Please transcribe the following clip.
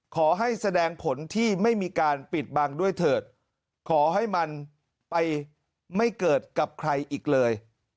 แสดงผลที่ไม่มีการปิดบังด้วยเถิดขอให้มันไปไม่เกิดกับใครอีกเลย